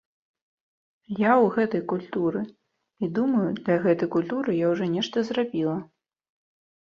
Я ў гэтай культуры, і, думаю, для гэтай культуры я ўжо нешта зрабіла.